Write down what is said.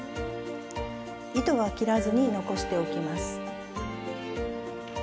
糸は切らずに残しておきます。